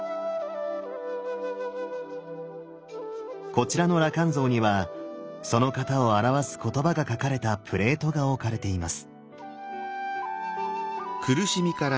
こちらの羅漢像にはその方を表す言葉が書かれたプレートが置かれています。